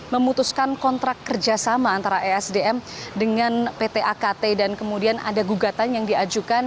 memutuskan kontrak kerjasama antara esdm dengan pt akt dan kemudian ada gugatan yang diajukan